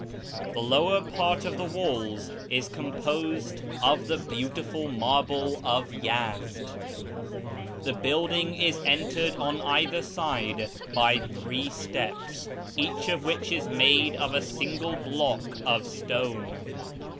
The lower part of the walls is composed of the beautiful marble of Yezd. The building is entered on either side by three steps, each of which is made of a single block of stone.